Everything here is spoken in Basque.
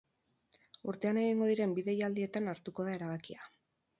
Urtean egingo diren bi deialdietan hartuko da erabakia.